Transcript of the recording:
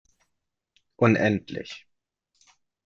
Unendlich!